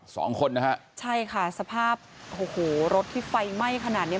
สองคนนะฮะใช่ค่ะสภาพโอ้โหรถที่ไฟไหม้ขนาดเนี้ย